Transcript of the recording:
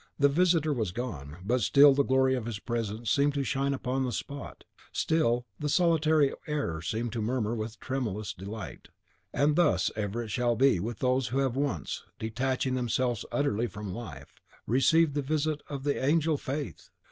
The visitor was gone; but still the glory of his presence seemed to shine upon the spot, still the solitary air seemed to murmur with tremulous delight. And thus ever shall it be with those who have once, detaching themselves utterly from life, received the visit of the Angel FAITH.